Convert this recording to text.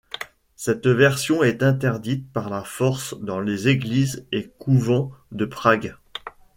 Cette dernière est interdite par la force dans les églises et couvents de Prague.